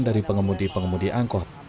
dari pengembudi pengembudi angkot